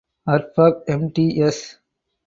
Arfak Mts.